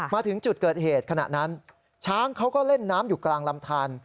มาถึงจุดเกิดเหตุขณะนั้นช้างเขาก็เล่นน้ำอยู่กลางลำทาน